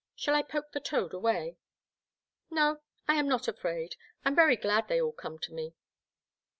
Shall I poke the toad away ?No, I am not afraid ; I am very glad they all come to me.